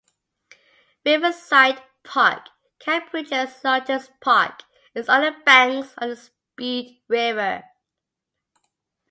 Riverside Park, Cambridge's largest park, is on the banks of the Speed River.